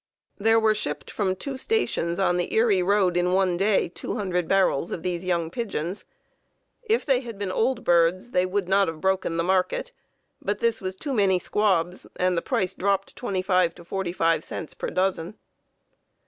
There were shipped from two stations on the Erie road in one day 200 barrels of these young pigeons. If they had been old birds, they would not have broken the market, but this was too many squabs, and the price dropped 25 to 45 cents per dozen.